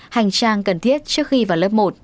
hành trang cần thiết trước khi vào lớp một